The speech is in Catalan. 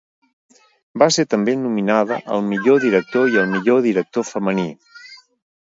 Va ser també nominada al millor director i al millor director femení.